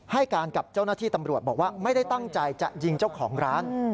ให้การกับเจ้าหน้าที่ตำรวจบอกว่าไม่ได้ตั้งใจจะยิงเจ้าของร้าน